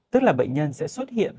tức là bệnh nhân sẽ xuất hiện